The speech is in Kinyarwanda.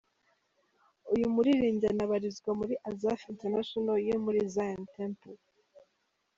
Uyu muririmbyi anabarizwa muri Azaph International yo muri Zion Temple.